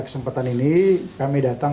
kesempatan ini kami datang